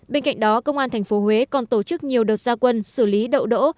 bên cạnh đó công an tp huế còn tổ chức nhiều đợt gia quân xử lý đậu đỗ